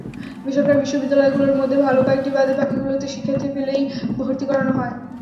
বেসরকারি বিশ্ববিদ্যালয়গুলোর মধ্যে ভালো কয়েকটি বাদে বাকিগুলোতে শিক্ষার্থী পেলেই ভর্তি করানো হয়।